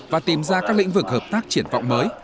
và tìm ra các lĩnh vực hợp tác triển vọng mới